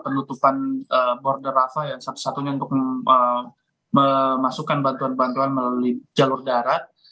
penutupan border rafa ya satu satunya untuk memasukkan bantuan bantuan melalui jalur darat